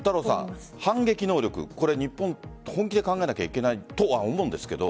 反撃能力、日本本気で考えなければいけないと思うんですが。